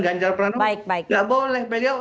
ganjar pranowo gak boleh beliau